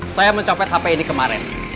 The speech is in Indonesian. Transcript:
saya mencopet hp ini kemarin